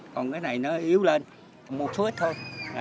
còn cái này nó yếu lên một số ít thôi